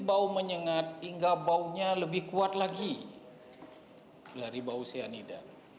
bau menyengat hingga baunya lebih kuat lagi dari bau cyanida